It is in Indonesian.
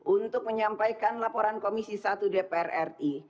untuk menyampaikan laporan komisi satu dpr ri